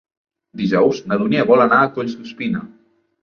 Dijous na Dúnia vol anar a Collsuspina.